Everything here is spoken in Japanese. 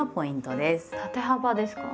縦幅ですか？